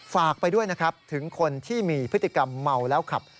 ฝากไปด้วยนะครับถึงคนที่มีพฤติกรรมเมาแล้วขับ